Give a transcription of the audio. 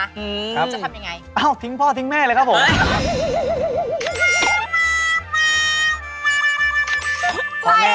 จะทำยังไงอ้าวทิ้งพ่อทิ้งแม่เลยครับผม